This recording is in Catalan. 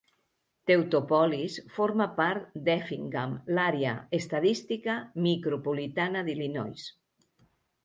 Teutopolis forma part d'Effingham, l'Àrea Estadística Micropolitana d'Illinois.